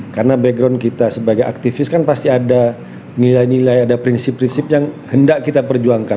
karena background kita sebagai aktivis kan pasti ada nilai nilai ada prinsip prinsip yang hendak kita perjuangkan